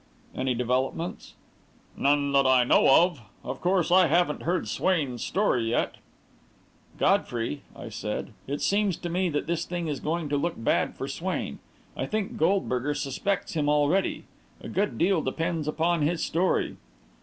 "Any developments?" "None that I know of. Of course, I haven't heard Swain's story yet." "Godfrey," I said, "it seems to me that this thing is going to look bad for Swain I think Goldberger suspects him already. A good deal depends upon his story."